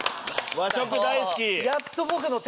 和食大好き！